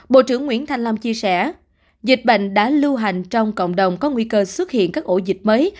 bộ trưởng nguyễn thanh lâm chia sẻ dịch bệnh đã lưu hành trong cộng đồng có nguy cơ xuất hiện các ổ dịch mới